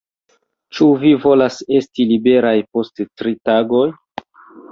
Ĉu vi volas esti liberaj post tri tagoj?